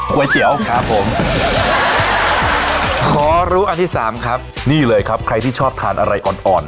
ก๋วยเตี๋ยวครับผมขอรู้อันที่สามครับนี่เลยครับใครที่ชอบทานอะไรอ่อนอ่อน